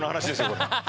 これ。